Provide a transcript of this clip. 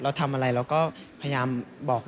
เราทำอะไรเราก็พยายามบอก